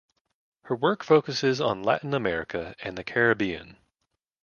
Her work focuses on Latin America and the Caribbean.